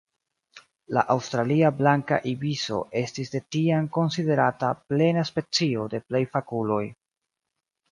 La Aŭstralia blanka ibiso estis de tiam konsiderata plena specio de plej fakuloj.